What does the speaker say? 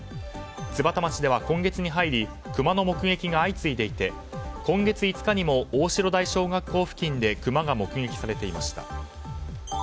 津幡町では今月に入りクマの目撃が相次いでいて今月５日にも太白台小学校付近でクマが目撃されていました。